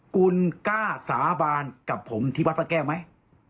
คุณกล้าสาบานกับผมที่วัดพระแก้วไหม